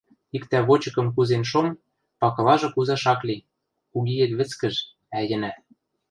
Иктӓ вочыкым кузен шом, пакылажы кузаш ак ли, кугиэт вӹцкӹж, ӓйӹнӓ.